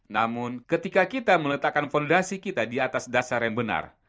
namun ketika kita meletakkan fondasi kita di atas dasar yang benar